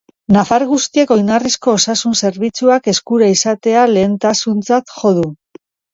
Nafar guztiek oinarrizko osasun zerbitzuak eskura izatea lehentasuntzat jo du.